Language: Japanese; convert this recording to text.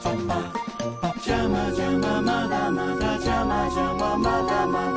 「ジャマジャマまだまだジャマジャマまだまだ」